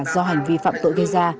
do hành vi phạm tội gây ra